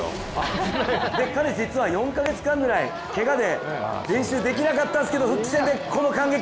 彼、実は４カ月間ぐらい、けがで練習できなかったんですけど復帰戦でこの感激。